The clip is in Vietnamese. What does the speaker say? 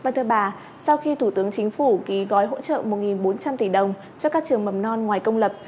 vâng thưa bà sau khi thủ tướng chính phủ ký gói hỗ trợ một bốn trăm linh tỷ đồng cho các trường mầm non ngoài công lập